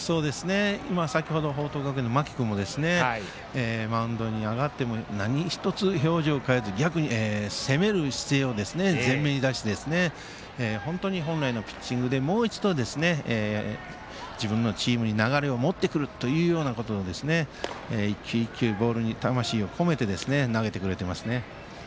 先程の間木君もマウンドに上がって何１つ表情を変えず逆に、攻める姿勢を前面に出して本来のピッチングでもう一度自分のチームに流れを持ってくるということで１球１球、ボールに魂を込めて投げてくれていますね。